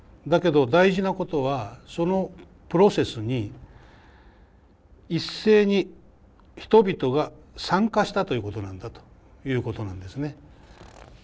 だけど大事なことはそのプロセスに一斉に人々が参加したということなんだということなんですね。